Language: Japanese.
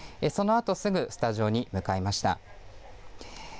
そのあと、すぐスタジオに向いました。